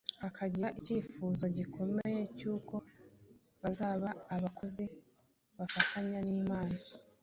akagira icyifuzo gikomeye cy’uko bazaba abakozi bafatanya n’Imana.